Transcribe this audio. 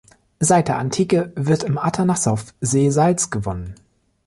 Seit der Antike wird im Atanassow-See Salz gewonnen.